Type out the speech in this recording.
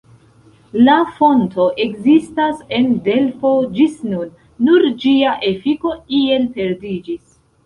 La fonto ekzistas en Delfo ĝis nun, nur ĝia efiko iel perdiĝis.